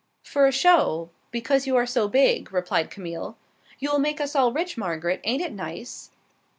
"For a show, because you are so big," replied Camille. "You will make us all rich, Margaret. Ain't it nice?"